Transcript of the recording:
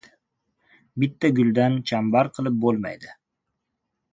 • Bitta guldan chambar qilib bo‘lmaydi.